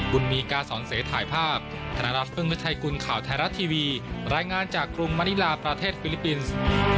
คุณมีกาสอนเสถ่ายภาพรายงานจากกรุงมณีลาประเทศฟิลิปปินส์